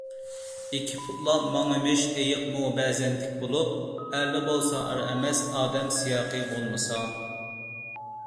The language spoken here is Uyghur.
ئىككى پۇتلاپ ماڭىمىش ئىيىقمۇ بەزەن تىك بولۇپ، ئەرلا بولسا ئەر ئەمەس، ئادەم سىياقى بولمىسا.